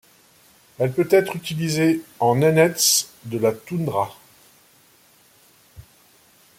Elle peut être utilisée en nénètse de la toundra.